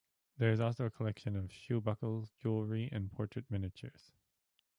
There is also a collection of shoe buckles, jewellery and portrait miniatures.